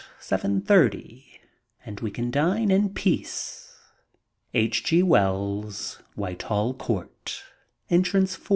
30 and we can dine in peace. H. G. Wells. Whitehall Court, Entrance 4.